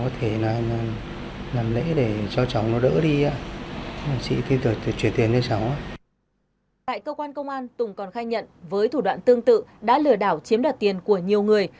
tại cơ quan công an tùng còn khai nhận với thủ đoạn tương tự đã lừa đảo chiếm đoạt tiền của nhiều người